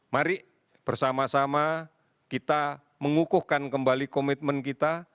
mari bersama sama kita mengukuhkan kembali komitmen kita